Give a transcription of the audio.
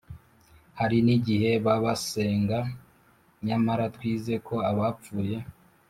Hari n igihe babasenga Nyamara twize ko abapfuye